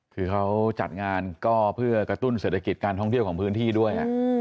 คือเขาจัดงานก็เพื่อกระตุ้นเศรษฐกิจการท่องเที่ยวของพื้นที่ด้วย